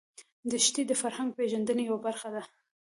دښتې د فرهنګي پیژندنې یوه برخه ده.